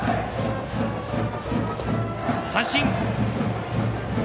三振！